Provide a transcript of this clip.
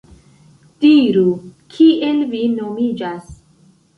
Diru, kiel vi nomiĝas?